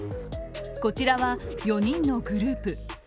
こちらは４人のグループ。